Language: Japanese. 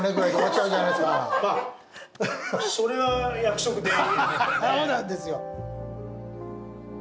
そうなんですよ！